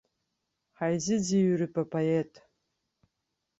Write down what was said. Ҳаизыӡырҩып апоет.